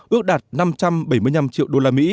ước đạt năm trăm bảy mươi năm triệu usd